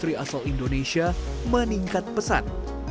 sri asal indonesia meningkat pesat